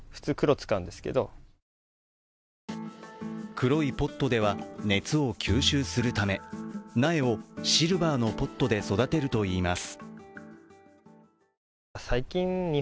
黒いポットでは熱を吸収するため苗をシルバーのポットで育てるといいます。